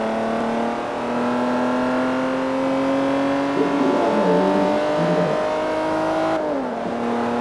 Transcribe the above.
Ké ɓil wahɓay woyri nzukay.